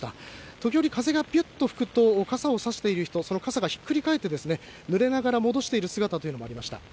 時折、風がぴゅっと吹くと、傘を差している人、その傘がひっくり返って、ぬれながら戻している姿というのもありました。